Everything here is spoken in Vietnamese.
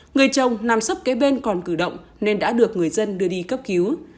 người chồng nằm sấp kế bên còn cử động nên đã được người dân đưa đi cấp cứu